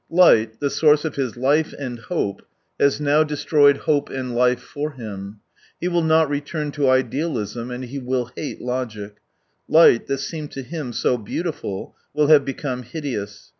Light, the source of his life and hope, has now destroyed hope and life for hun. He will not return to idealism, and he will hate logic : light, that seemed to him so beautiful, will have become hideous.